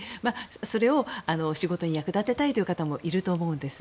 それを仕事に役立てたいという方もいると思うんです。